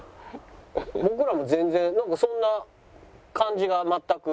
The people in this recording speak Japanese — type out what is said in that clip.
僕らも全然なんかそんな感じが全く。